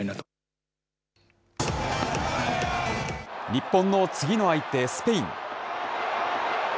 日本の次の相手、スペイン。